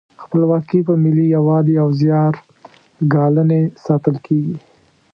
خپلواکي په ملي یووالي او زیار ګالنې ساتل کیږي.